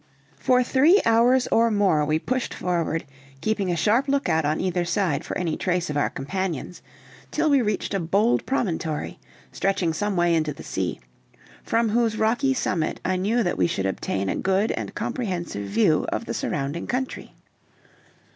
For three hours or more we pushed forward, keeping a sharp lookout on either side for any trace of our companions, till we reached a bold promontory, stretching some way into the sea, from whose rocky summit I knew that we should obtain a good and comprehensive view of the surrounding country.